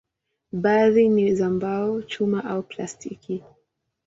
Baadhi ni za mbao, chuma au plastiki.